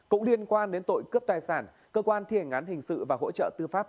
cũng liên quan đến tội cướp tài sản cơ quan thi hành án hình sự và hỗ trợ tư pháp